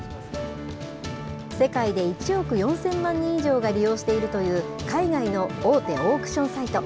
世界で１億４０００万人以上が利用しているという、海外の大手オークションサイト。